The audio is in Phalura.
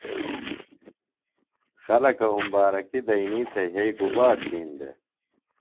خلکہ اُمبارکیۡ دئینی تھےۡ یھئی گُبا تِھین دےۡ ؟